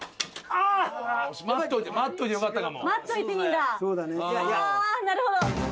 ああーなるほど。